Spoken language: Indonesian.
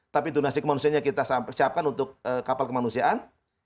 tapi donasi kemanusiaan kita siapkan untuk kapal kemanusiaan